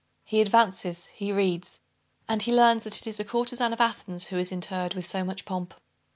He advances, he reads, and he learns that it is a courtezan of Athens who is interred with so much pomp."